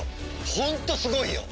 ホントすごいよ！